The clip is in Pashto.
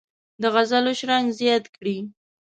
د غزلو شرنګ زیات کړي.